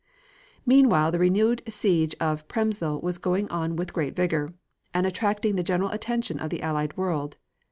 Meanwhile the renewed siege of Przemysl was going on with great vigor, and attracting the general attention of the Allied world.